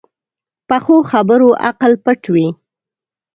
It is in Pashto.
پخو خبرو عقل پټ وي